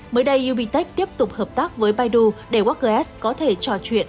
mới đây ubtech tiếp tục hợp tác với baidu để walker s có thể trò chuyện